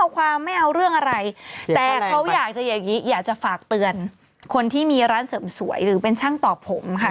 คนที่มีร้านเสริมสวยหรือเป็นช่างตอบผมค่ะ